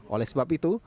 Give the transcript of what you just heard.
oleh sebab itu